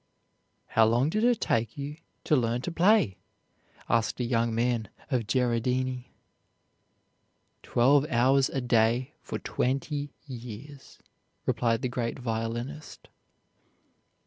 "How long did it take you to learn to play?" asked a young man of Geradini. "Twelve hours a day for twenty years," replied the great violinist.